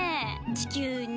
地球に。